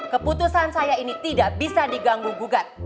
keputusan saya ini tidak bisa diganggu gugat